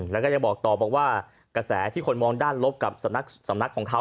แล้วก็ยังบอกต่อบอกว่ากระแสที่คนมองด้านลบกับสำนักของเขา